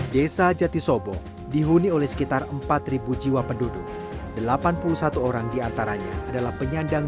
desa jatisobo dihuni oleh sekitar empat jiwa penduduk delapan puluh satu orang diantaranya adalah penyandang